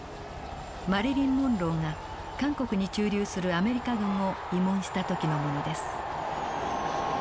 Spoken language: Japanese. マリリン・モンローが韓国に駐留するアメリカ軍を慰問した時のものです。